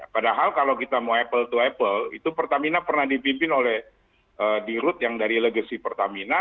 padahal kalau kita mau apple to apple itu pertamina pernah dipimpin oleh di root yang dari legacy pertamina